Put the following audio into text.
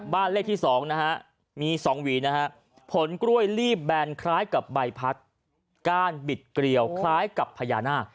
บ้านเลขที่๒นะฮะมี๒หวีนะฮะผลกล้วยลีบแบนคล้ายกับใบพัดก้านบิดเกลียวคล้ายกับพญานาค